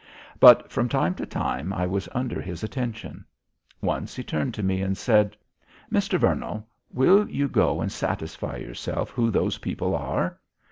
But from time to time I was under his attention. Once he turned to me and said: "Mr. Vernall, will you go and satisfy yourself who those people are?"